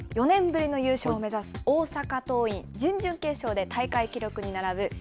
４年ぶりの優勝を目指す大阪桐蔭、準々決勝で大会記録に並ぶ